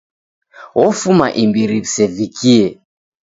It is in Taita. Ofuma imbiri w'isevikie.